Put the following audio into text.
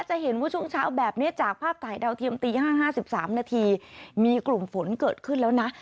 จะเห็นว่าช่วงเช้าแบบนี้จากภาพถ่ายดาวเทียมตี๕๕๓นาทีมีกลุ่มฝนเกิดขึ้นแล้วนะ